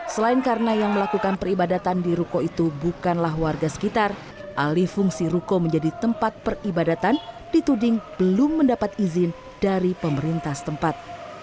selain karena yang melakukan peribadatan di ruko itu bukanlah warga sekitar alih fungsi ruko menjadi tempat peribadatan dituding belum mendapat izin dari pemerintah setempat